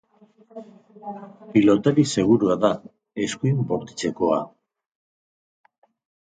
Pilotari segurua da, eskuin bortitzekoa.